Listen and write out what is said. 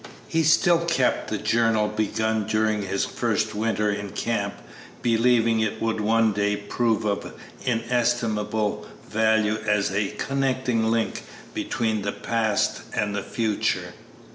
He still kept the journal begun during his first winter in camp, believing it would one day prove of inestimable value as a connecting link between past and future.